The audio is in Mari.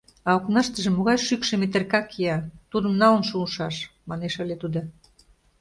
— А окнаштыже могай шӱкшӧ метерка кия, тудым налын шуышаш... — манеш ыле тудо.